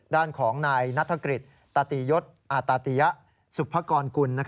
ด้านของนายนัฐกฤษตาตียศอาตาติยะสุภกรกุล